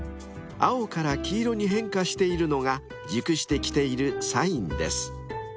［青から黄色に変化しているのが熟してきているサインです］